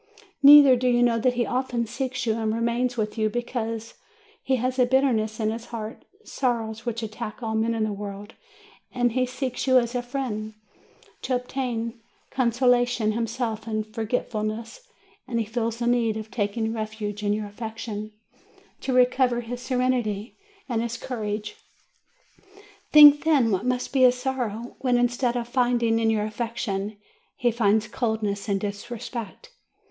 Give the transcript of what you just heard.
Neither do you know that he often seeks you and remains with you because *he has a bitterness in his heart, sorrows which attack all men in the world, and he seeks you as a friend, to obtain consolation himself and forgetfulness, and he feels the need of taking refuge in your affection, IN THE COUNTRY 319 to recover his serenity and his courage. Think, then, what must be his sorrow, when instead of finding in you affection, he finds coldness and disrespect!